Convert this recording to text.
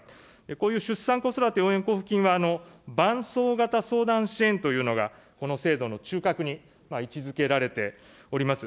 こういう出産・子育て応援交付金は、伴走型相談支援というのが、この制度の中核に位置づけられております。